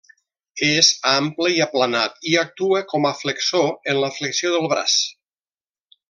És ample i aplanat, i actua com a flexor en la flexió del braç.